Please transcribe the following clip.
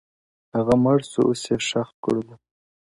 هغه مړ سو اوس يې ښخ كړلو،